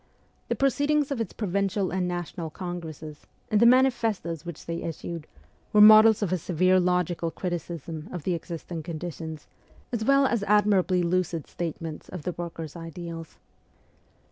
The proceedings of its provincial and national congresses, and the manifestoes which they issued, were models of a severe logical criticism of the existing conditions, as well as admir ably lucid statements of the workers' ideals.